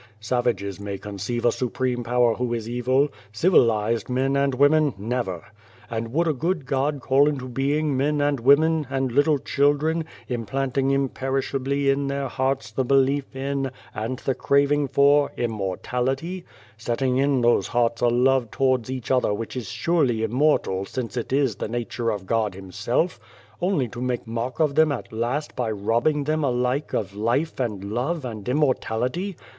Savages may conceive a Supreme Power who is evil ; civilised men and women, never. And would a good God call into being men and women and little children, implanting imperishably in their hearts the belief in, and the craving for, 100 Beyond the Door immortality setting in those hearts a love towards each other which is surely immortal since it is the nature of God HimselfV jojily t;o, make mock of them at last by robbing , them alike of life and love and immortality